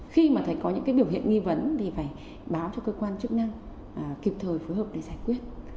khi mà thấy có những cái biểu hiện nghi vấn thì phải báo cho cơ quan chức năng kịp thời phối hợp để giải quyết